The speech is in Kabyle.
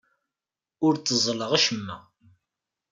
Ur tteẓẓleɣ acemma.